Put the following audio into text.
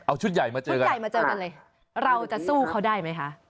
เอาชุดใหญ่มาเจอกันเราจะสู้เขาได้ไหมคะ